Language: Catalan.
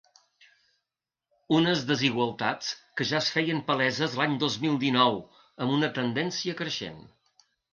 Unes desigualtats que ja es feien paleses l’any dos mil dinou, amb una tendència creixent.